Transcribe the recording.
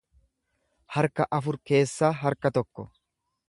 harka afur keessaa harka tokko.